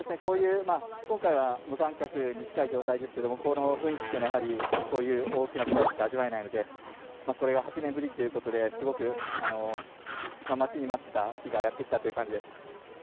今回は無観客に近い状態ですがこの雰囲気というのはこういう大きな舞台でしか味わえないのでこれが８年ぶりということですごく待ちに待った日がやってきたという感じです。